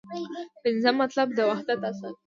پنځم مطلب : د وحدت اصل